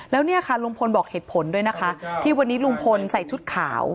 แล้วเนี่ยค่ะลุงพลบอกเหตุผลด้วยนะคะที่วันนี้ลุงพลใส่ชุดขาว